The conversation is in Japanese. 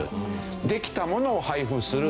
できたものを配布する。